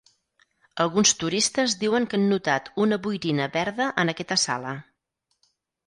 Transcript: Alguns turistes diuen que han notat una boirina verda en aquesta sala.